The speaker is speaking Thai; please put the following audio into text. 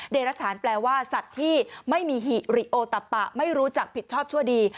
เดรฐานแปลว่าสัตว์ที่ไม่มีหิริโอตะปะไม่รู้จักผิดชอบชั่วดี